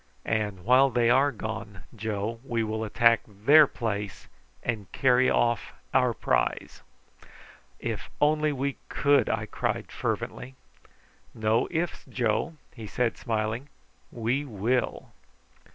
"And while they are gone, Joe, we will attack their place and carry off our prize!" "If we only could!" I cried fervently. "No ifs, Joe," he said smiling; "we will!"